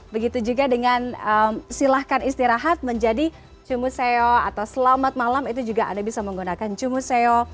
begitu juga dengan silakan istirahat menjadi cumuseo atau selamat malam itu juga anda bisa menggunakan cumuseo